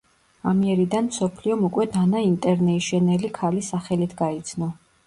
ამიერიდან მსოფლიომ უკვე დანა ინტერნეიშენელი ქალის სახელით გაიცნო.